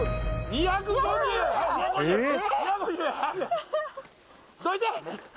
２５０やどいて！